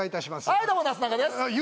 はいどうもなすなかです！